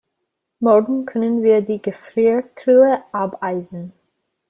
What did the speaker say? Morgen können wir die Gefriertruhe abeisen.